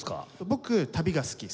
僕旅が好き